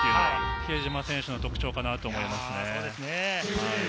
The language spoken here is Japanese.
比江島選手の特徴かなと思いますね。